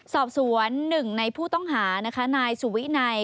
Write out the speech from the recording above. สอบสวนหนึ่งในผู้ต้องหานะคะนายสุวินัย